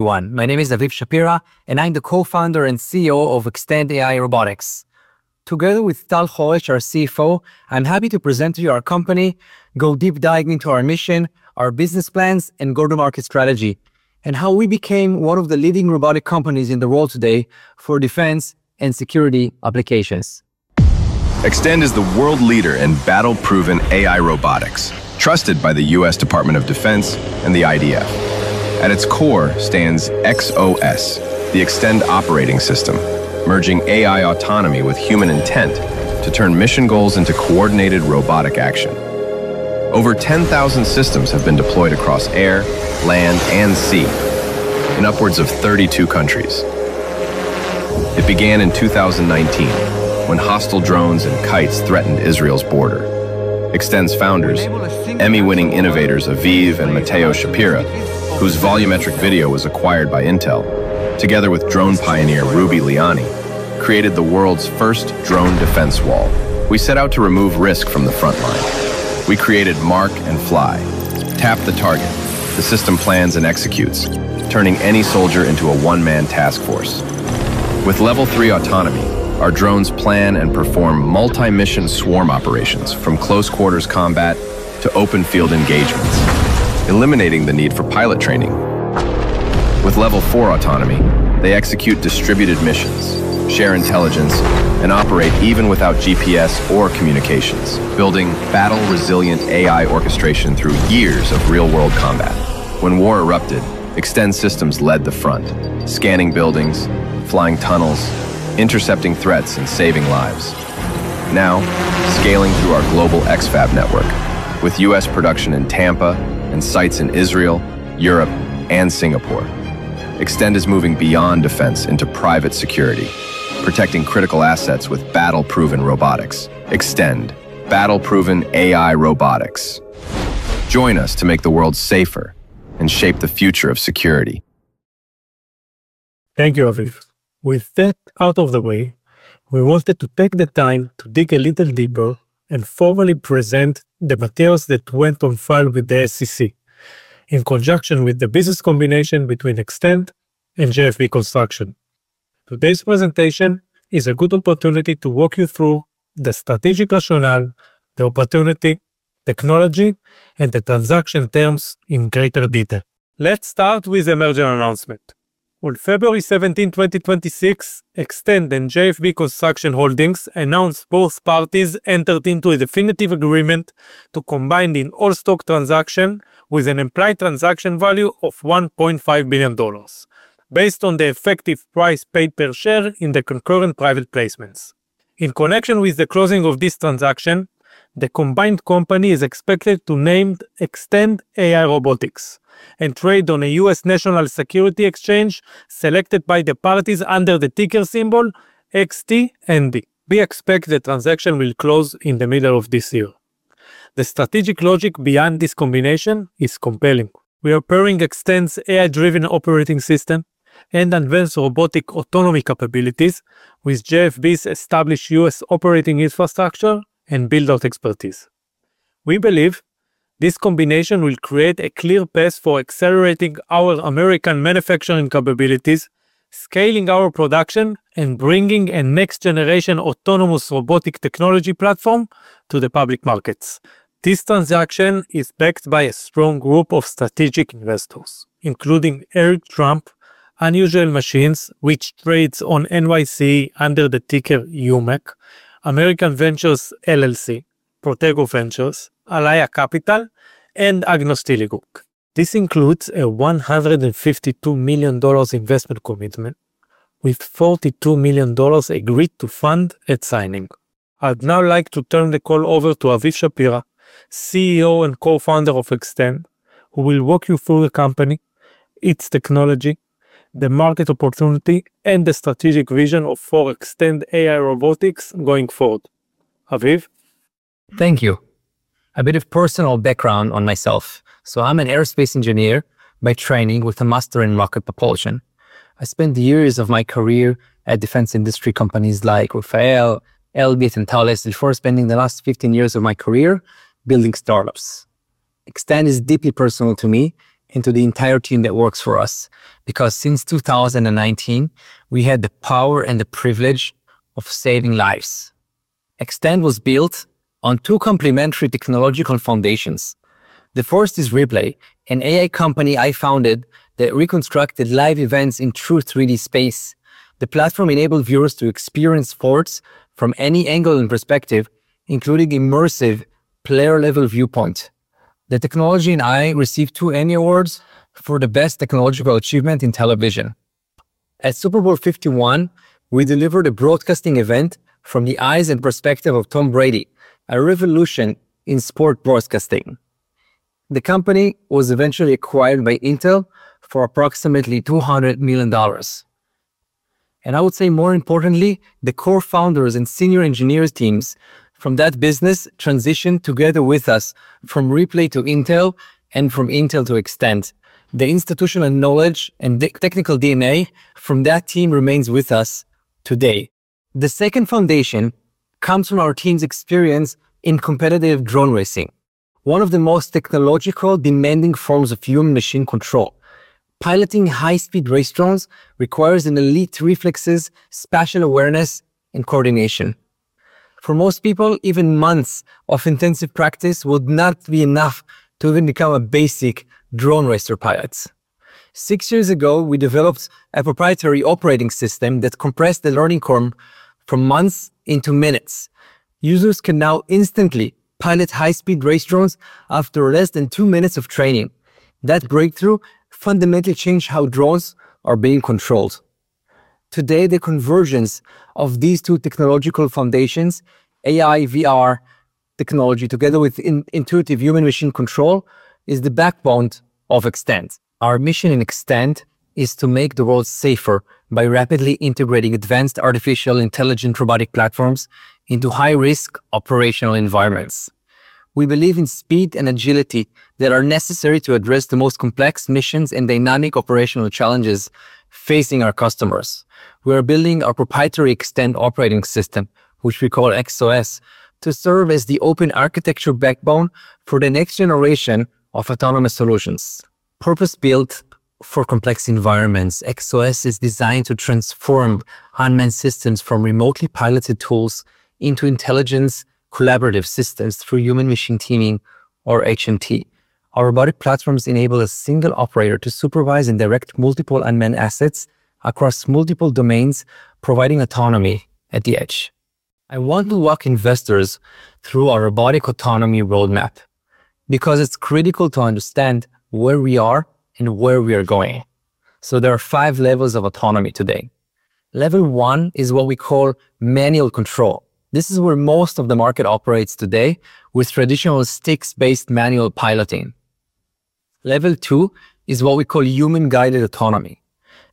My name is Aviv Shapira, I'm the co-founder and CEO of XTEND AI Robotics. Together with Tal Horesh, our CFO, I'm happy to present to you our company, go deep dive into our mission, our business plans, and go-to-market strategy, and how we became one of the leading robotic companies in the world today for defense and security applications. XTEND is the world leader in battle-proven AI robotics, trusted by the U.S. Department of Defense and the IDF. At its core stands XOS, the XTEND Operating System, merging AI autonomy with human intent to turn mission goals into coordinated robotic action. Over 10,000 systems have been deployed across air, land, and sea in upwards of 32 countries. It began in 2019, when hostile drones and kites threatened Israel's border. XTEND's founders, Emmy-winning innovators Aviv and Matteo Shapira, whose volumetric video was acquired by Intel, together with drone pioneer Rubi Liani, created the world's first drone defense wall. We set out to remove risk from the front line. We created Mark and Fly. Tap the target. The system plans and executes, turning any soldier into a one-man task force. With level three autonomy, our drones plan and perform multi-mission swarm operations from close-quarters combat to open-field engagements, eliminating the need for pilot training. With level four autonomy, they execute distributed missions, share intelligence, and operate even without GPS or communications, building battle-resilient AI orchestration through years of real-world combat. When war erupted, XTEND systems led the front, scanning buildings, flying tunnels, intercepting threats, and saving lives. Now, scaling through our global XFAB network with U.S. production in Tampa and sites in Israel, Europe, and Singapore. XTEND is moving beyond defense into private security, protecting critical assets with battle-proven robotics. XTEND, battle-proven AI robotics. Join us to make the world safer and shape the future of security. Thank you, Aviv. With that out of the way, we wanted to take the time to dig a little deeper and formally present the materials that went on file with the SEC in conjunction with the business combination between XTEND and JFB Construction. Today's presentation is a good opportunity to walk you through the strategic rationale, the opportunity, technology, and the transaction terms in greater detail. Let's start with the merger announcement. On February 17, 2026, XTEND and JFB Construction Holdings announced both parties entered into a definitive agreement to combine in all stock transaction with an implied transaction value of $1.5 billion, based on the effective price paid per share in the concurrent private placements. In connection with the closing of this transaction, the combined company is expected to named XTEND AI Robotics and trade on a U.S. national security exchange selected by the parties under the ticker symbol XTND. We expect the transaction will close in the middle of this year. The strategic logic behind this combination is compelling. We are pairing XTEND's AI-driven operating system and advanced robotic autonomy capabilities with JFB's established U.S. operating infrastructure and build-out expertise. We believe this combination will create a clear path for accelerating our American manufacturing capabilities, scaling our production, and bringing a next-generation autonomous robotic technology platform to the public markets. This transaction is backed by a strong group of strategic investors, including Eric Trump, Unusual Machines, which trades on NYSE under the ticker UMAC, American Ventures LLC, Protego Ventures, Alaya Capital, and Agnos Tiligouk. This includes a $152 million investment commitment with $42 million agreed to fund at signing. I'd now like to turn the call over to Aviv Shapira, CEO and co-founder of XTEND, who will walk you through the company, its technology, the market opportunity, and the strategic vision for XTEND AI Robotics going forward. Aviv? Thank you. A bit of personal background on myself. I'm an aerospace engineer by training with a master in rocket propulsion. I spent years of my career at defense industry companies like Rafael, Elbit, and Thales before spending the last 15 years of my career building startups. XTEND is deeply personal to me and to the entire team that works for us because since 2019, we had the power and the privilege of saving lives. XTEND was built on two complementary technological foundations. The first is Replay, an AI company I founded that reconstructed live events in true three-D space. The platform enabled viewers to experience sports from any angle and perspective, including immersive player-level viewpoint. The technology and I received two Emmy awards for the best technological achievement in television. At Super Bowl LI, we delivered a broadcasting event from the eyes and perspective of Tom Brady, a revolution in sport broadcasting. The company was eventually acquired by Intel for approximately $200 million. I would say more importantly, the core founders and senior engineers teams from that business transitioned together with us from Replay to Intel and from Intel to XTEND. The institutional knowledge and technical DNA from that team remains with us today. The second foundation comes from our team's experience in competitive drone racing. One of the most technological demanding forms of human machine control. Piloting high-speed race drones requires an elite reflexes, spatial awareness, and coordination. For most people, even months of intensive practice would not be enough to even become a basic drone racer pilot. Six years ago, we developed a proprietary operating system that compressed the learning curve from months into minutes. Users can now instantly pilot high-speed race drones after less than two minutes of training. That breakthrough fundamentally changed how drones are being controlled. Today, the convergence of these two technological foundations, AI, VR technology, together with intuitive human machine control, is the backbone of XTEND. Our mission in XTEND is to make the world safer by rapidly integrating advanced artificial intelligent robotic platforms into high-risk operational environments. We believe in speed and agility that are necessary to address the most complex missions and dynamic operational challenges facing our customers. We are building our proprietary XTEND Operating System, which we call XOS, to serve as the open architecture backbone for the next generation of autonomous solutions. Purpose-built for complex environments, XOS is designed to transform unmanned systems from remotely piloted tools into intelligence collaborative systems through human machine teaming or HMT. Our robotic platforms enable a single operator to supervise and direct multiple unmanned assets across multiple domains, providing autonomy at the edge. I want to walk investors through our robotic autonomy roadmap because it's critical to understand where we are and where we are going. There are five levels of autonomy today. Level one is what we call manual control. This is where most of the market operates today with traditional sticks-based manual piloting. Level two is what we call human-guided autonomy.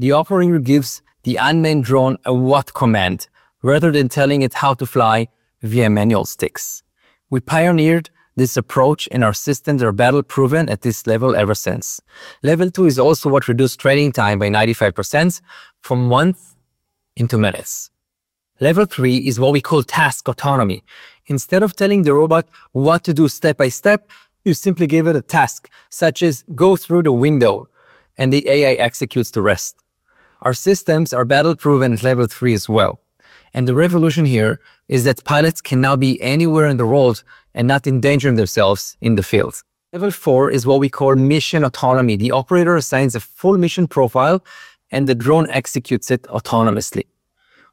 The operator gives the unmanned drone a what command, rather than telling it how to fly via manual sticks. We pioneered this approach, and our systems are battle-proven at this level ever since. Level two is also what reduced training time by 95% from months into minutes. Level three is what we call task autonomy. Instead of telling the robot what to do step by step, you simply give it a task, such as, "Go through the window," the AI executes the rest. Our systems are battle-proven at Level three as well. The revolution here is that pilots can now be anywhere in the world and not endangering themselves in the field. Level four is what we call mission autonomy. The operator assigns a full mission profile, and the drone executes it autonomously.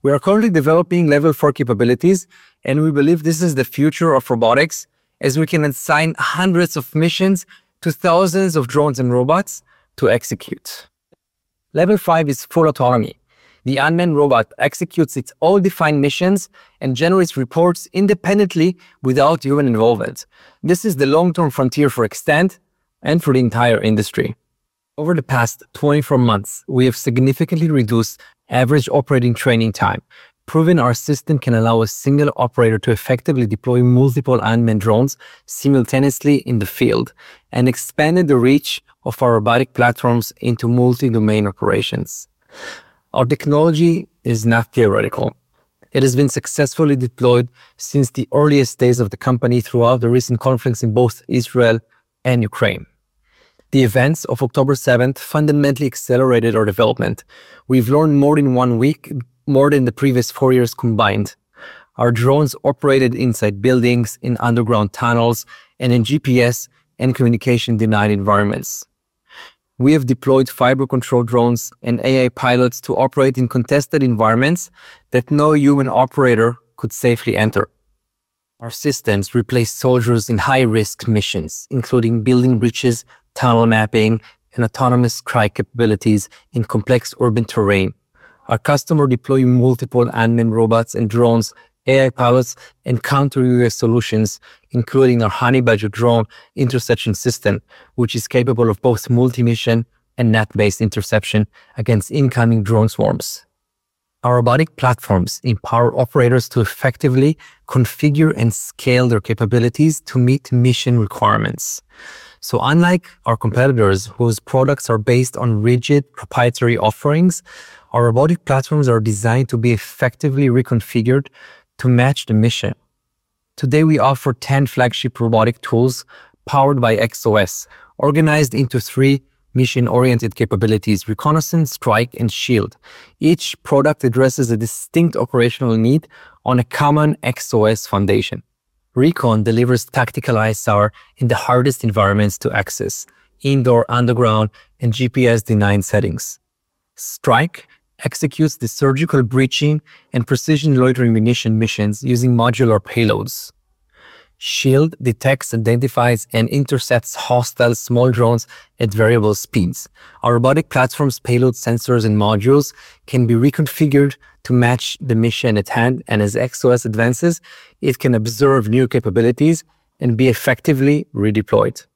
We are currently developing Level four capabilities, and we believe this is the future of robotics, as we can assign hundreds of missions to thousands of drones and robots to execute. Level five is full autonomy. The unmanned robot executes its all defined missions and generates reports independently without human involvement. This is the long-term frontier for XTEND and for the entire industry. Over the past 24 months, we have significantly reduced average operating training time, proven our system can allow a single operator to effectively deploy multiple unmanned drones simultaneously in the field, and expanded the reach of our robotic platforms into multi-domain operations. Our technology is not theoretical. It has been successfully deployed since the earliest days of the company throughout the recent conflicts in both Israel and Ukraine. The events of October 7th fundamentally accelerated our development. We've learned more in one week, more than the previous four years combined. Our drones operated inside buildings, in underground tunnels, and in GPS and communication denied environments. We have deployed fiber controlled drones and AI pilots to operate in contested environments that no human operator could safely enter. Our systems replace soldiers in high-risk missions, including building bridges, tunnel mapping, and autonomous strike capabilities in complex urban terrain. Our customer deploy multiple admin robots and drones, AI pilots, and counter solutions, including our Honey Badger drone interception system, which is capable of both multi-mission and NAT-based interception against incoming drone swarms. Our robotic platforms empower operators to effectively configure and scale their capabilities to meet mission requirements. Unlike our competitors, whose products are based on rigid proprietary offerings, our robotic platforms are designed to be effectively reconfigured to match the mission. Today, we offer 10 flagship robotic tools powered by XOS, organized into three mission-oriented capabilities: reconnaissance, strike, and shield. Each product addresses a distinct operational need on a common XOS foundation. Recon delivers tactical ISR in the hardest environments to access: indoor, underground, and GPS-denied settings. Strike executes the surgical breaching and precision loitering munition missions using modular payloads. Shield detects, identifies, and intercepts hostile small drones at variable speeds. Our robotic platforms' payload sensors and modules can be reconfigured to match the mission at hand, as XOS advances, it can observe new capabilities and be effectively redeployed.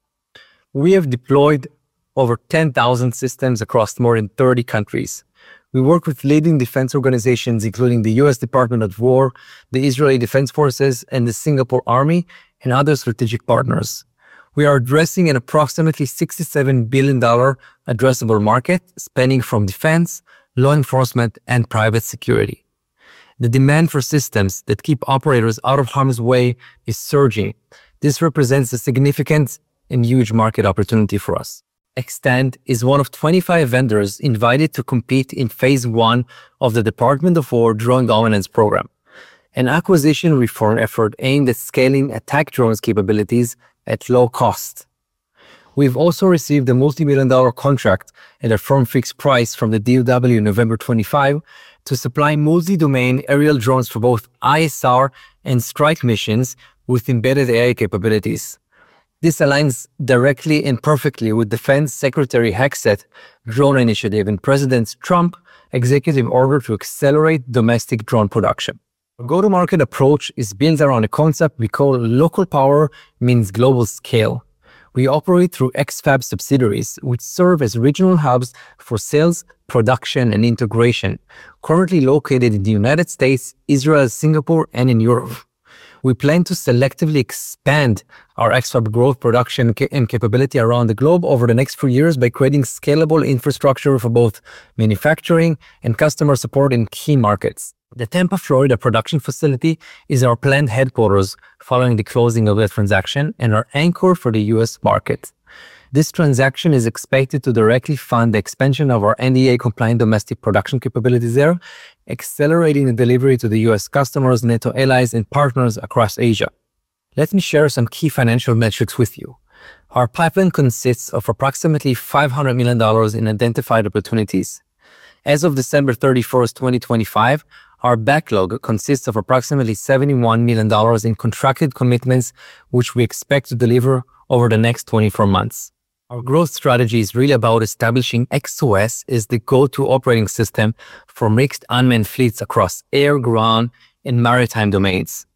We have deployed over 10,000 systems across more than 30 countries. We work with leading defense organizations, including the U.S. Department of War, the Israel Defense Forces, and the Singapore Army, and other strategic partners. We are addressing an approximately $67 billion addressable market, spanning from defense, law enforcement, and private security. The demand for systems that keep operators out of harm's way is surging. This represents a significant and huge market opportunity for us. XTEND is one of 25 vendors invited to compete in phase I of the Department of War Drone Dominance Program, an acquisition reform effort aimed at scaling attack drones' capabilities at low cost. We've also received a $multi-million contract and a firm fixed price from the DOW in November 25 to supply multi-domain aerial drones for both ISR and strike missions with embedded AI capabilities. This aligns directly and perfectly with Defense Secretary Hegseth drone initiative and President Trump executive order to accelerate domestic drone production. Our go-to-market approach is built around a concept we call local power means global scale. We operate through XFAB subsidiaries, which serve as regional hubs for sales, production, and integration. Currently located in the United States, Israel, Singapore, and in Europe. We plan to selectively expand our XFAB growth, production and capability around the globe over the next few years by creating scalable infrastructure for both manufacturing and customer support in key markets. The Tampa, Florida, production facility is our planned headquarters following the closing of that transaction and our anchor for the U.S. market. This transaction is expected to directly fund the expansion of our NDA-compliant domestic production capabilities there, accelerating the delivery to the U.S. customers, NATO allies, and partners across Asia. Let me share some key financial metrics with you. Our pipeline consists of approximately $500 million in identified opportunities. As of December 31, 2025, our backlog consists of approximately $71 million in contracted commitments, which we expect to deliver over the next 24 months. Our growth strategy is really about establishing XOS as the go-to operating system for mixed unmanned fleets across air, ground, and maritime domains.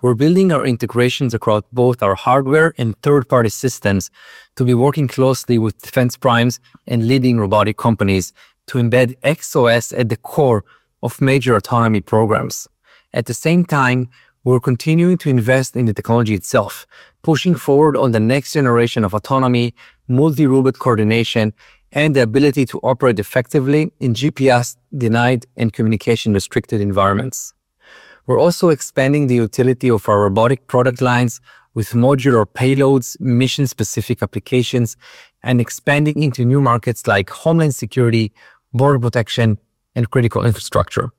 We're building our integrations across both our hardware and third-party systems to be working closely with defense primes and leading robotic companies to embed XOS at the core of major autonomy programs. At the same time, we're continuing to invest in the technology itself, pushing forward on the next generation of autonomy, multi-robot coordination, and the ability to operate effectively in GPS-denied and communication-restricted environments. We're also expanding the utility of our robotic product lines with modular payloads, mission-specific applications, and expanding into new markets like homeland security, border protection, and critical infrastructure,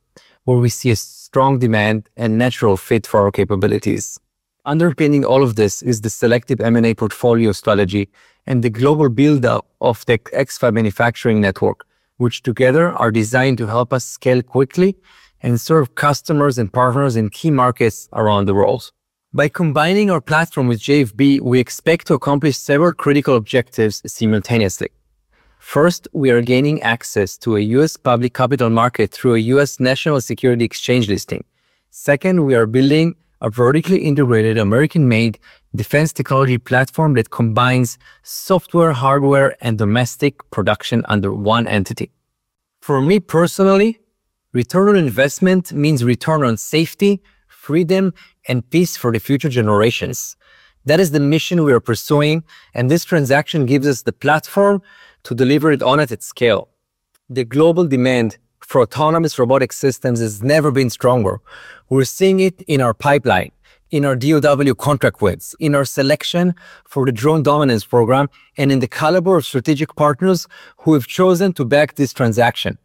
where we see a strong demand and natural fit for our capabilities. Underpinning all of this is the selective M&A portfolio strategy and the global buildup of the XFAB manufacturing network, which together are designed to help us scale quickly and serve customers and partners in key markets around the world. By combining our platform with JFB, we expect to accomplish several critical objectives simultaneously. First, we are gaining access to a U.S. public capital market through a U.S. National Security Exchange listing. Second, we are building a vertically integrated American-made defense technology platform that combines software, hardware, and domestic production under one entity. For me, personally, return on investment means return on safety, freedom, and peace for the future generations. That is the mission we are pursuing, and this transaction gives us the platform to deliver it on at scale. The global demand for autonomous robotic systems has never been stronger. We're seeing it in our pipeline, in our DOW contract wins, in our selection for the Drone Dominance Program, and in the caliber of strategic partners who have chosen to back this transaction.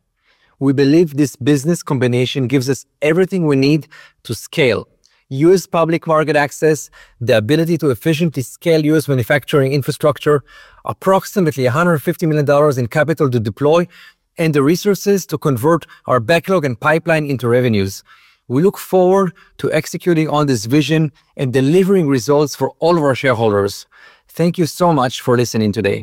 We believe this business combination gives us everything we need to scale. U.S. public market access, the ability to efficiently scale U.S. manufacturing infrastructure, approximately $150 million in capital to deploy, and the resources to convert our backlog and pipeline into revenues. We look forward to executing on this vision and delivering results for all of our shareholders. Thank you so much for listening today.